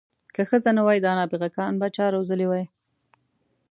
که ښځې نه وای دا نابغه ګان به چا روزلي وی.